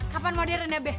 kapan madirin ya be